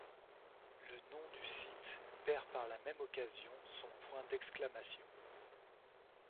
Le nom du site perd par la même occasion son point d'exclamation.